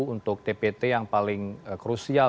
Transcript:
untuk tpt yang paling krusial